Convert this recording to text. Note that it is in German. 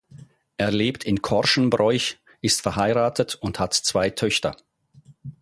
Er lebt in Korschenbroich, ist verheiratet und hat zwei Töchter.